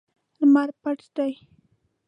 لمر پټ دی